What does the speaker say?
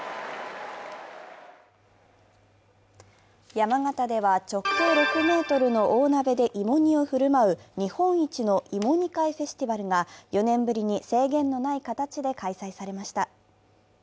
山形では直径６ｍの大鍋で芋煮を振る舞う日本一の芋煮会フェスティバルが４年ぶりに制限のない形で開催されました。